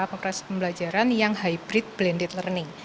proses pembelajaran yang hybrid blended learning